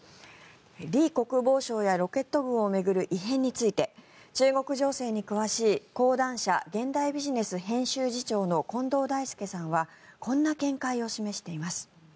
リ国防相やロケット軍を巡る異変について中国情勢に詳しい講談社現代ビジネス編集次長の近藤大介さんはこんな見解を示しています。